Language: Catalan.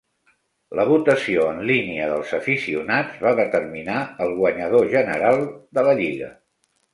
La votació en línia dels aficionats va determinar el guanyador general de la Lliga.